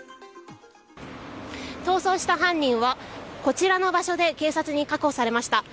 逃走した犯人はこちらの場所で警察に確保されました。